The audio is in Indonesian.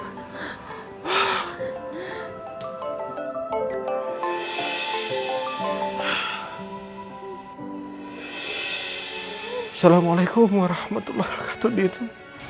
assalamualaikum warahmatullahi wabarakatuh dita